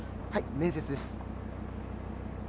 面接です。